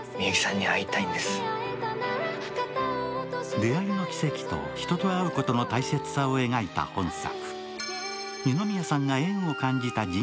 出会いの奇跡と人と会うことの大切さを描いた本作。